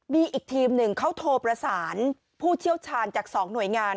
มีอีกทีมหนึ่งเขาโทรประสานผู้เชี่ยวชาญจาก๒หน่วยงาน